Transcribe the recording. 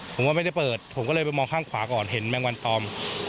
ผมก็ไม่ได้เปิดผมก็เลยไปมองข้างขวาก่อนเห็นแมงวันตอม